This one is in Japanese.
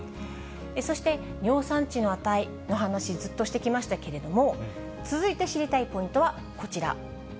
そして尿酸値の値の話、ずっとしてきましたけれども、続いて知りたいポイントは、こちら。